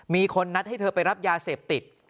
มีคนนัดให้เธอไปรับยาเสพติด